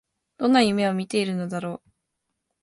どんな夢を見ているのだろう